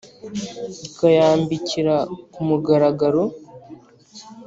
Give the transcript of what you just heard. Ikayambikira ku mugaragaro